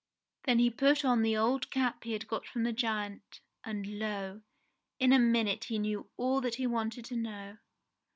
Then he put on the old cap he had got from the giant, and lo ! in a minute he knew ^11 that he wanted to know.